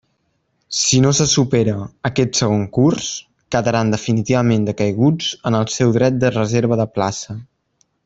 Si no se supera aquest segon curs, quedaran definitivament decaiguts en el seu dret de reserva de plaça.